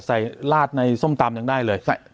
ลาดในส้มตำยังได้เลย